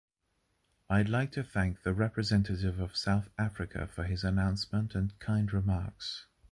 I'd like to thank the representative of South Africa for his announcement and kind remarks.